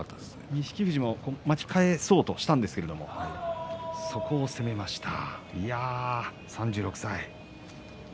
錦富士も巻き返そうとしたんですが、そこを攻めました。